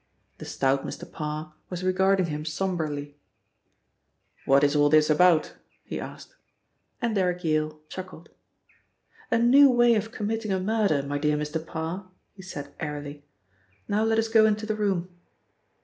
The stout Mr. Parr was regarding him sombrely. "What is all this about?" he asked, and Derrick Yale chuckled. "A new way of committing a murder, my dear Mr. Parr," he said airily, "now let us go into the room."